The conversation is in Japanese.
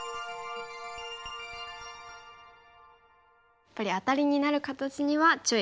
やっぱりアタリになる形には注意が必要ですね。